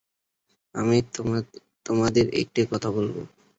আমি তোমাদের একটি কথা বলব।